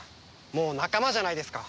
もう仲間じゃないですか。